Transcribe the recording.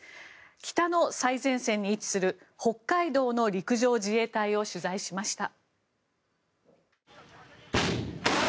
北の最前線に位置する北海道の陸上自衛隊を取材しました。